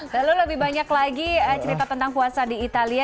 lalu lebih banyak lagi cerita tentang puasa di italia